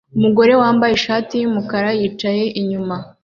Umugabo wambaye ishati yumukara yicaye inyuma